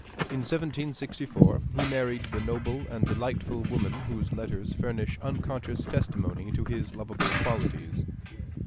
In 1764 he married the noble and delightful woman whose letters furnish unconscious testimony to his lovable qualities.